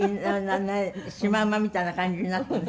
シマウマみたいな感じになって。